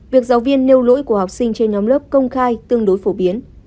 việc giáo viên nêu lỗi của học sinh trên nhóm lớp công khai tương đối phổ biến